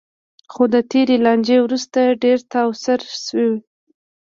خو د تېرې لانجې وروسته ډېر تاوسر شوی.